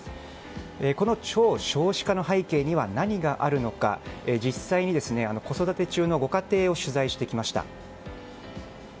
この超少子化の背景には何があるのか実際に子育て中のご家庭を取材してきました。